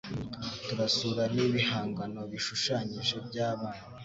Turasura n'ibihangano bishushanyije by'abana